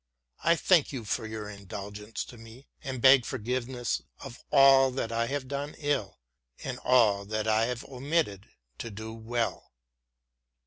I thank you for your indulgence to me and beg forgiveness of all that I have done ill and all that I have omitted to do well.